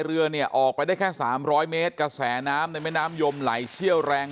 เรือเนี่ยออกไปได้แค่๓๐๐เมตรกระแสน้ำในแม่น้ำยมไหลเชี่ยวแรง